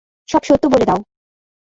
সব সত্য বলে দাও।